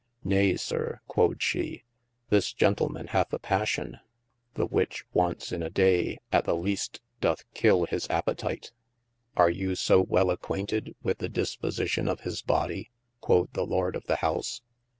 Nay sir, quod she, this gentleman hath a passion, the which once in a day at the least doth kill his appetite. Are you so well acquainted with the dispositio of his body (quod the Lord of ye house